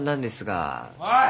おい！